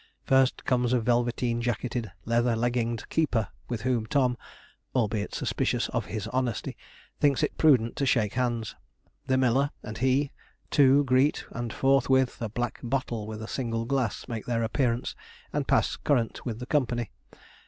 First comes a velveteen jacketed, leather legginged keeper, with whom Tom (albeit suspicious of his honesty) thinks it prudent to shake hands; the miller and he, too, greet; and forthwith a black bottle with a single glass make their appearance, and pass current with the company.